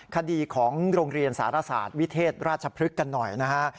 คดีของโรงเรียนสารศาสตร์วิเทศราชพฤกษ์กันหน่อยนะฮะ